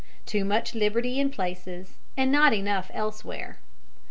TOO MUCH LIBERTY IN PLACES AND NOT ENOUGH ELSEWHERE.